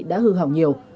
đã hư hỏng nhiều